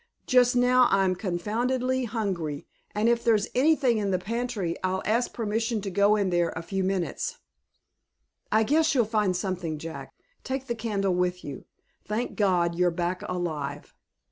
Just now I'm confoundedly hungry, and if there's anything in the pantry, I'll ask permission to go in there a few minutes." "I guess you'll find something, Jack. Take the candle with you. Thank God, you're back alive.